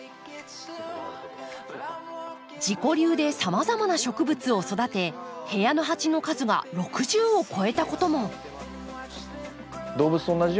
自己流でさまざまな植物を育て部屋の鉢の数が６０を超えたことも。